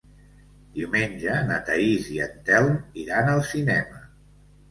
Diumenge na Thaís i en Telm iran al cinema.